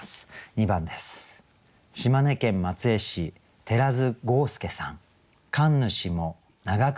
２番です。